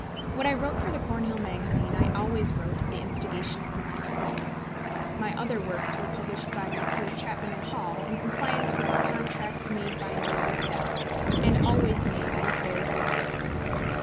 What I wrote for the Cornhill Magazine, I always wrote at the instigation of Mr. Smith. My other works were published by Messrs. Chapman & Hall, in compliance with contracts made by me with them, and always made with their good will.